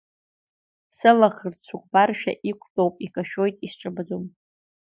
Сылаӷырӡ цәыкәбаршәа иқәтәоуп, икашәоит, исҿабаӡом.